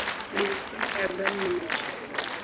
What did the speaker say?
Najiskia taabani nimechoka.